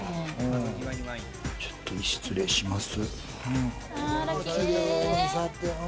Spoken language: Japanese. ちょっと失礼します。